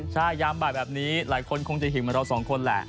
ใช่ยามบ่ายแบบนี้หลายคนคงจะหิวเหมือนเราสองคนแหละ